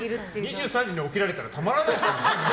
２３時に起きられたらたまらないですよ。